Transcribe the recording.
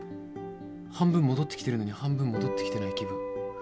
半分戻ってきてるのに半分戻ってきてない気分。